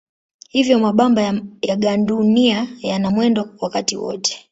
Hivyo mabamba ya gandunia yana mwendo wakati wote.